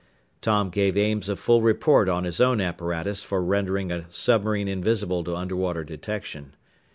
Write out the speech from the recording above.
Tom gave Ames a full report on his own apparatus for rendering a submarine invisible to underwater detection.